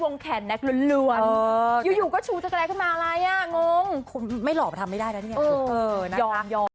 มันก็เลยรู้สึกว่าอยากหางานอื่นทำบ้างครับ